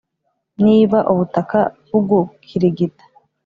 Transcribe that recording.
Niba ubutaka bugukirigita